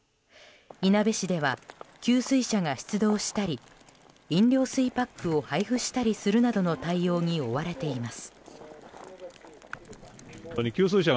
いなべ市では給水車が出動したり飲料水パックを配布したりする対応に追われています。